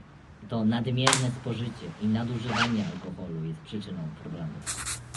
To nadmierne spożycie i nadużywanie alkoholu jest przyczyną problemów